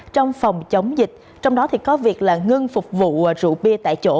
trong phòng chống dịch trong đó có việc là ngưng phục vụ rượu bia tại chỗ